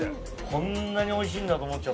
こんなにおいしいんだと思っちゃった。